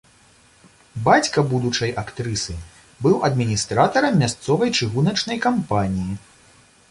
Бацька будучай актрысы быў адміністратарам мясцовай чыгуначнай кампаніі.